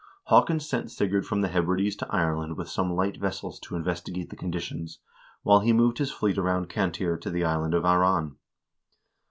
Haakon sent Sigurd from the Hebrides to Ireland with some light vessels to investigate the conditions, while he moved his fleet around Cantire to the island of Aran.